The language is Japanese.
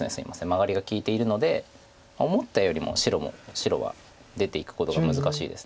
マガリが利いているので思ったよりも白は出ていくことが難しいです。